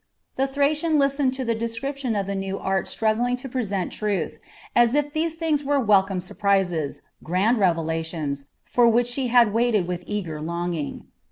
The Thracian listened to the description of the new art struggling to present truth, as if these things were welcome surprises, grand revelations, for which she had waited with eager longing.